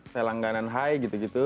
saya langganan high gitu gitu